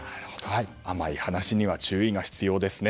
甘い話には注意が必要ですね。